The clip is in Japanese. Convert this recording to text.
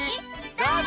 どうぞ！